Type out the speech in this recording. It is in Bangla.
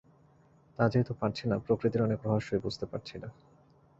তা যেহেতু পারছি না, প্রকৃতির অনেক রহস্যই বুঝতে পারছি না।